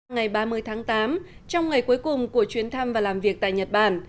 ngày ba mươi tháng tám trong ngày cuối cùng của chuyến thăm và làm việc tại nhật bản